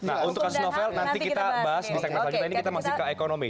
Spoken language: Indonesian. nah untuk kasus novel nanti kita bahas di segmen selanjutnya ini kita masih ke ekonomi